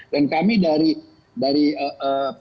dan kami dari politik dari dpr kemudian kemudian negara yang berpengaruh